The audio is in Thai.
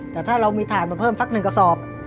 แต่ถ้าเรามีถ่านมาเพิ่มสักหนึ่งกระสอบ